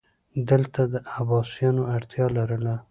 دلته عباسیانو اړتیا لرله